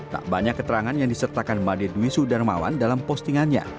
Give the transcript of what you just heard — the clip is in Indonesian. tak banyak keterangan yang disertakan made dwi sudarmawan dalam postingannya